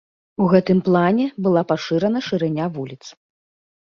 У гэтым плане была пашырана шырыня вуліц.